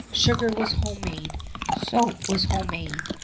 Sugar was homemade. Soap was homemade.